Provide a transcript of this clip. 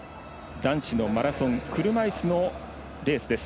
男子のマラソン車いすのレースです。